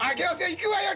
いくわよ。